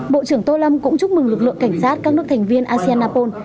bộ trưởng tô lâm cũng chúc mừng lực lượng cảnh sát các nước thành viên asean apol